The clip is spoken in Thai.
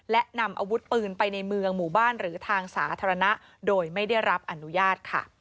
และนำอาวุธปืนไปในเมืองหมู่บ้านหรือทางสาธารณะโดยไม่ได้รับอนุญาตค่ะ